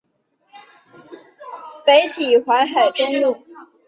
北起淮海中路。